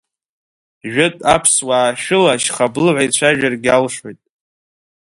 Жәытә ԥсуа-ашәыла Шьхаблы ҳәа ицәажәаргьы алшоит.